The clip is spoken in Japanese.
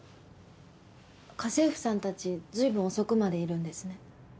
家政婦さんたち随分遅くまでいるんですね。